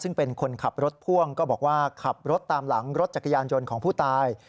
ซึ่งเป็นคนขับรถพ่วงก็บอกว่าขับรถตามหลังรถจักรยานยนต์ของผู้ตาย